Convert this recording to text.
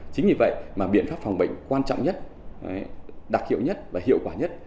chính vì vậy mà biện pháp phòng bệnh quan trọng nhất đặc hiệu nhất và hiệu quả nhất